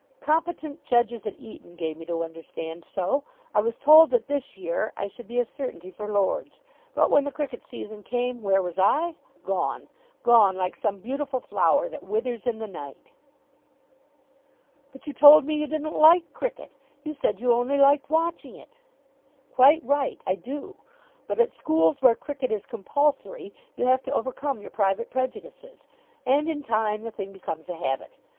"Competent judges at Eton gave me to understand so. I was told that this year I should be a certainty for Lord's. But when the cricket season came, where was I? Gone. Gone like some beautiful flower that withers in the night." "But you told me you didn't like cricket. You said you only liked watching it." "Quite right. I do. But at schools where cricket is compulsory you have to overcome your private prejudices. And in time the thing becomes a habit.